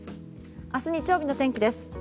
明日日曜日の天気です。